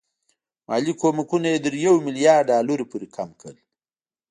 مالي کومکونه یې تر یو میلیارډ ډالرو پورې کم کړل.